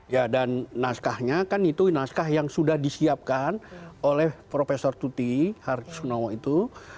ya dan naskahnya kan itu naskah yang sudah disiapkan oleh prof tuti harcusunowo itu